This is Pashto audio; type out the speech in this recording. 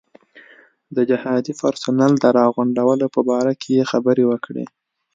د جهادي پرسونل د راغونډولو په باره کې یې خبرې وکړې.